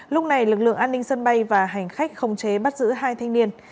lúc này lực lượng an ninh sân bay và hành khách không chế bắt giữ hai thanh niên